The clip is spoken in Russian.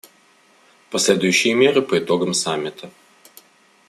Последующие меры по итогам Саммита.